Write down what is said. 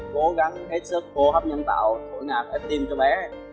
cố gắng hết sức khô hấp nhân tạo thổi ngạc hết tim cho bé